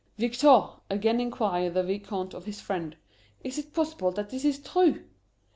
"Victor," again inquired the Vicomte of his friend, "is it possible that this is true?"